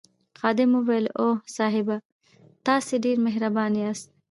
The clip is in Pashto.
خادم وویل اوه صاحبه تاسي ډېر مهربان یاست.